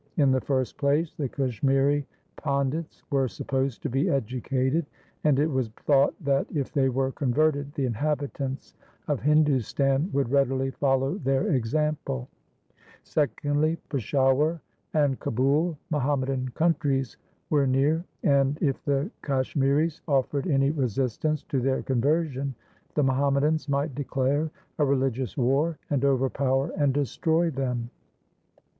In the first place, the Kashmiri Pandits were supposed to be educated, and it was thought that, if they were converted, the inhabitants of Hindustan would readily follow their example ; secondly, Peshawar and Kabul, Muhammadan countries, were near, and if the Kashmiris offered any resistance to their con version, the Muhammadans might declare a religious war and overpower and destroy them.